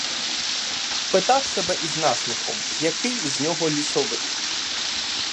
Питав себе із насміхом, який із нього лісовик?